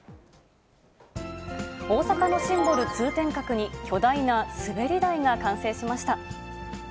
大阪のシンボル、通天閣に、巨大な滑り台が完成しました。